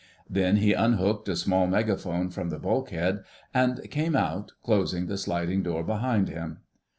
Then he unhooked a small megaphone from the bulkhead, and came out, closing the sliding door behind him.